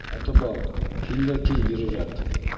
Һатыбал, һин дә кил бирерәк.